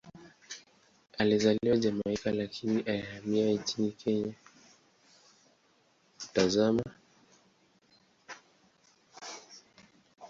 Alizaliwa Jamaika, lakini alihamia nchini Kanada akiwa na umri wa miaka saba.